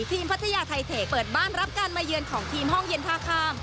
พัทยาไทเทคเปิดบ้านรับการมาเยือนของทีมห้องเย็นท่าข้าม